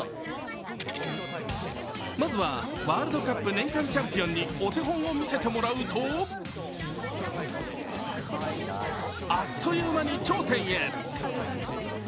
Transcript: まずはワールドカップ年間チャンピオンにお手本を見せてもらうとあっという間に頂点へ。